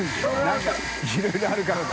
何かいろいろあるから」